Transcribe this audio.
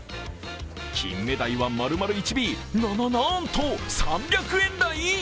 キンメダイは丸々１尾、な、な、なんと３００円台！？